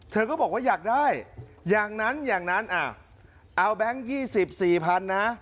เธอก็บอกว่าอยากได้อย่างนั้นอย่างนั้นเอาแบงค์๒๐๔๐๐๐นะ